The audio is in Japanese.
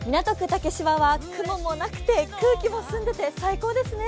竹芝は雲もなくて空気も澄んでいて最高ですね！